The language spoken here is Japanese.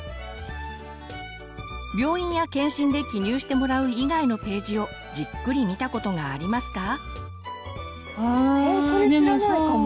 病院や健診で記入してもらう以外のページをじっくり見たことがありますか？